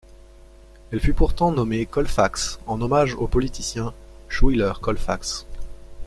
Elle fut pourtant nommée Colfax en hommage au politicien Schuyler Colfax.